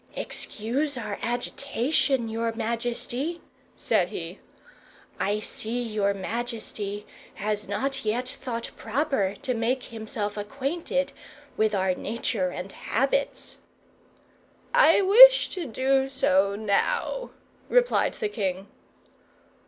"Excuse our agitation, your majesty," said he. "I see your majesty has not yet thought proper to make himself acquainted with our nature and habits." "I wish to do so now," replied the king.